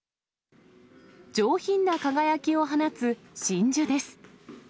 上品な輝きを放つ真珠です。